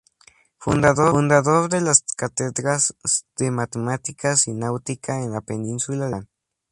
Fundador de las cátedras de matemáticas y náutica en la península de Yucatán.